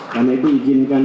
dan itu izinkan